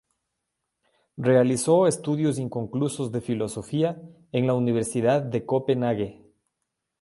Realizó estudios inconclusos de filosofía en la Universidad de Copenhague.